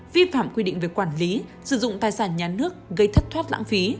vi phạm quy định về quản lý sử dụng tài sản nhà nước gây thất thoát lãng phí